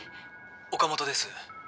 「岡本です」